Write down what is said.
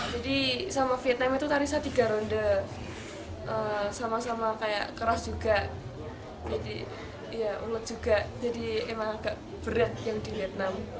jadi sama vietnam itu tarisa tiga ronde sama sama kayak keras juga jadi ya mulut juga jadi emang agak berat yang di vietnam